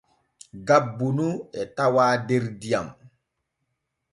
Gabbu nu e tawaa der diyam.